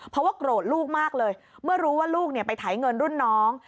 เพราะว่าโกรธลูกมากเลยเมื่อรู้ว่าลูกไปไถเงินรุ่นน้อง